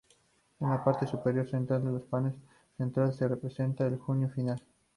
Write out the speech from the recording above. En la parte superior central del panel central se representa el Juicio Final.